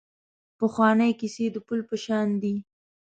پخوانۍ کیسې د پل په شان دي .